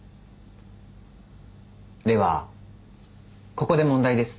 ではここで問題です。